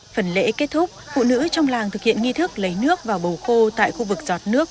phần lễ kết thúc phụ nữ trong làng thực hiện nghi thức lấy nước vào bầu khô tại khu vực giọt nước